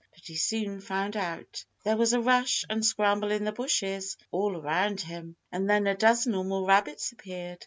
But he soon found out. There was a rush and scramble in the bushes all around him, and then a dozen or more rabbits appeared.